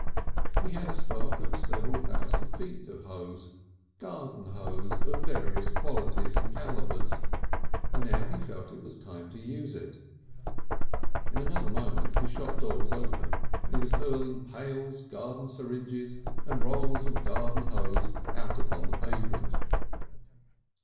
He had a stock of several thousand feet of garden hose, of various qualities and calibres, and now he felt was the time to use it. In another moment his shop door was open and he was hurling pails, garden syringes, and rolls of garden hose out upon the pavement.